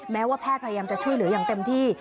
แม้ว่าแพทย์พยายามจะช่วยเหลืออย่างเต็มที่